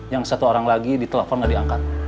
yang satu orang lagi kita telpon gak diangkat